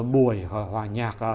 buổi hòa nhạc